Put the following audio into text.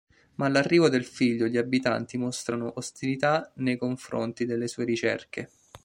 Ma all'arrivo del figlio gli abitanti mostrano ostilità nei confronti delle sue ricerche.